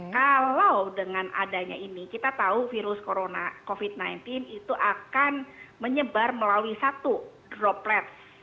kalau dengan adanya ini kita tahu virus corona covid sembilan belas itu akan menyebar melalui satu droplet